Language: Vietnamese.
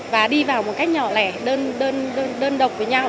và đi vào một cách nhỏ lẻ đơn độc với nhau